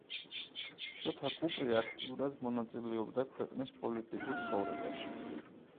შოთა კუპრი აქტიურად მონაწილეობდა ქვეყნის პოლიტიკურ ცხოვრებაში.